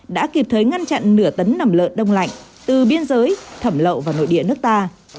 đã kịp thời ngăn chặn nửa tấn nằm lợn đông lạnh từ biên giới thẩm lậu vào nội địa nước ta